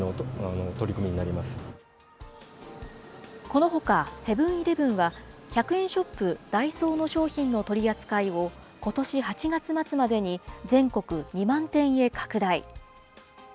このほか、セブンーイレブンは１００円ショップ、ダイソーの商品の取り扱いをことし８月末までに全国２万店へ拡大。